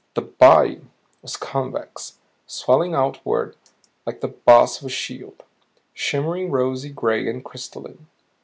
The BODY was convex, swelling outward like the boss of a shield; shimmering rosy gray and crystalline.